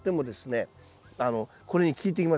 これに効いてきます。